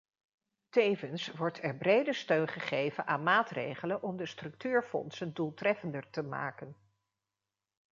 Tevens wordt er brede steun gegeven aan maatregelen om de structuurfondsen doeltreffender te maken.